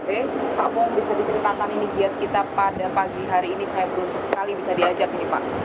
oke pak bom bisa diceritakan ini giat kita pada pagi hari ini saya beruntung sekali bisa diajak ini pak